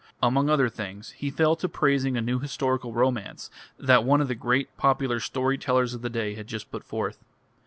Among other things, he fell to praising a new historical romance that one of the great popular story tellers of the day had just put forth.